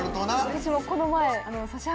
私もこの前。